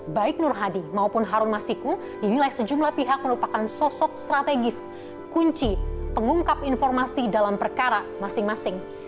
baik nur hadi maupun harun masiku dinilai sejumlah pihak merupakan sosok strategis kunci pengungkap informasi dalam perkara masing masing